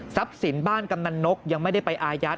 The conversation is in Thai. สินบ้านกำนันนกยังไม่ได้ไปอายัด